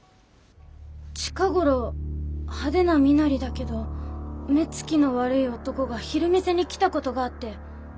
近頃派手な身なりだけど目つきの悪い男が昼見世に来たことがあって。